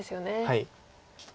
はい。